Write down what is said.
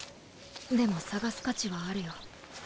でも探す価値はあるよ。